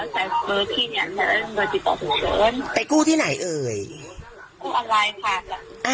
ไม่ได้รับเบอร์ติดต่อถึงเกินไปกู้ที่ไหนเอ่ยกู้อะไรค่ะ